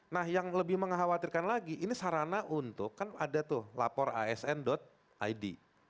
nah yang lebih mengkhawatirkan lagi ini sarana untuk kan ada tuh lapor asn id